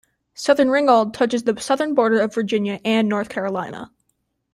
Southern Ringgold touches the southern border of Virginia and North Carolina.